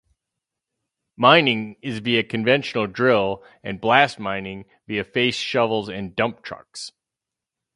Mining is via conventional drill and blast mining via face shovels and dump trucks.